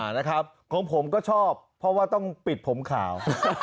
นะครับของผมก็ชอบเพราะว่าต้องปิดผมขาว